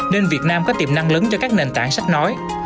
nên việt nam có tiềm năng lớn cho các nền tảng sách nói